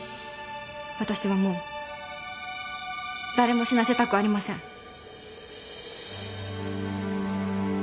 私はもう誰も死なせたくありません。